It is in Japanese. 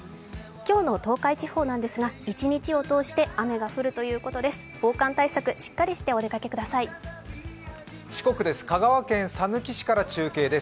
今日の東海地方なんですが、一日を通して雨が降るということです。